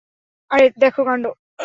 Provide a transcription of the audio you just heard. আরে, দেখো কাণ্ড।